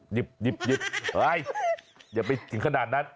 หยิบอย่าไปกินขนาดนั้น